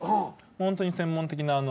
ホントに専門的な。